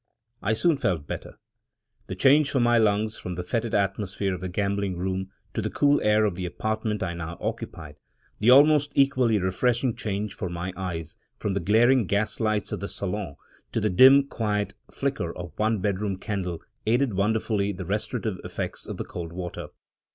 I soon felt better. The change for my lungs, from the fetid atmosphere of the gambling room to the cool air of the apartment I now occupied, the almost equally refreshing change for my eyes, from the glaring gaslights of the "salon" to the dim, quiet flicker of one bedroom candle, aided wonderfully the restorative effects of cold water.